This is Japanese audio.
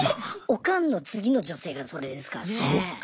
オカンの次の女性がそれですからね。